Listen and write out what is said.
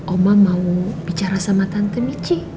oma mau bicara sama tante nici